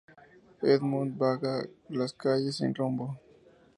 Edmund vaga por las calles sin rumbo.